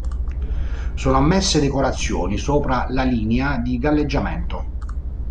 Sono ammesse decorazioni sopra la linea di galleggiamento.